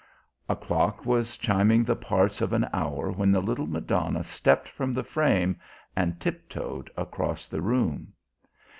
A clock was chiming the parts of an hour when the little Madonna stepped from the frame and tiptoed across the room.